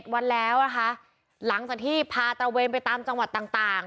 วันแล้วนะคะหลังจากที่พาตระเวนไปตามจังหวัดต่าง